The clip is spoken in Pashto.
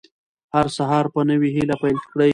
هر سهار په نوې هیله پیل کړئ.